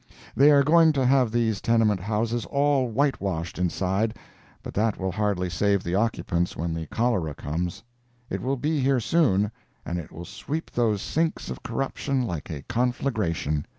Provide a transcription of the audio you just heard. They are going to have these tenement houses all white washed inside, but that will hardly save the occupants when the cholera comes. It will be here soon, and it will sweep those sinks of corruption like a conflagration.